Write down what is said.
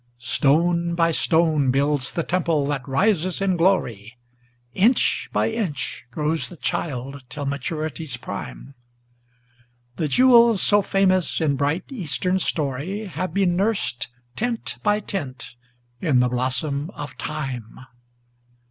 Stone by stone builds the temple that rises in glory, Inch by inch grows the child till maturity's prime; The jewels so famous in bright, Eastern story Have been nursed, tint by tint, in the blossom of Time.